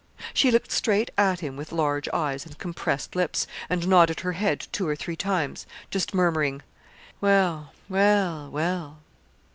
She looked straight at him with large eyes and compressed lips, and nodded her head two or three times, just murmuring, 'Well! well! well!'